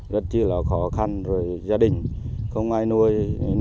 rất là khó khăn gia đình không ai nuôi